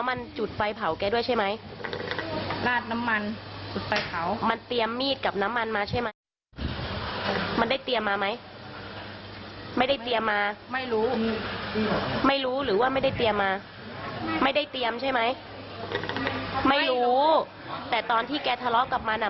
ไม่รู้แต่ตอนที่แกทะเลาะกับมันอะ